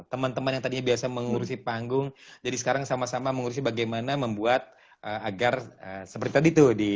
teman teman yang tadinya biasa mengurusi panggung jadi sekarang sama sama mengurusi bagaimana membuat agar seperti tadi tuh